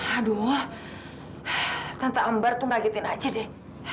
aduh tante ambar tuh ngagitin aja deh